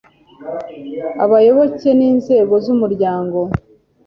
abayoboke n inzego z umuryango